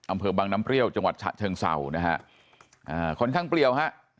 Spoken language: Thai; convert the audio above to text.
อำเภอบังน้ำเปรี้ยวจังหวัดฉะเชิงเศร้านะฮะอ่าค่อนข้างเปรี้ยวฮะ